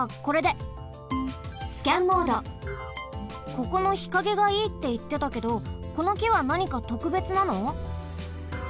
ここの日陰がいいっていってたけどこのきはなにかとくべつなの？